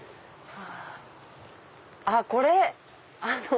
あっこれ！